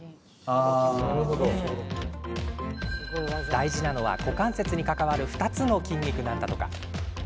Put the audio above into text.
大事なのは、股関節に関わる２つの筋肉なんだとか。